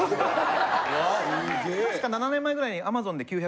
確か７年ぐらい前に。